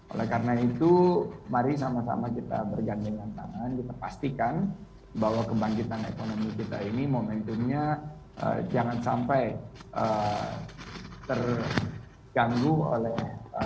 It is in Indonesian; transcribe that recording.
oleh karena itu mari sama sama kita bergandengan tangan kita pastikan bahwa kebangkitan ekonomi kita ini momentumnya jangan sampai terganggu oleh